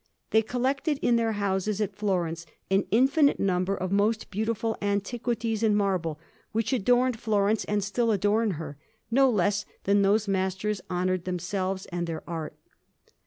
They collected in their houses at Florence an infinite number of most beautiful antiquities in marble, which adorned Florence, and still adorn her, no less than those masters honoured themselves and their art.